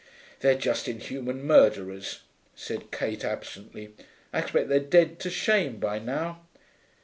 'They're just inhuman murderers,' said Kate absently. 'I expect they're dead to shame by now....